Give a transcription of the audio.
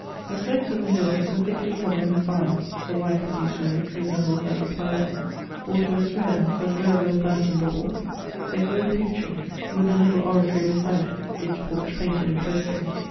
The slopes dP the hills were thickly covered with vines, the wine produced from which resembled that of Fayal. Water uas rare, but wherever a fountain bubbled, there grew a fig tree with a little oratory beside it, its porch painted in fresco.